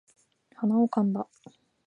鼻をかんだ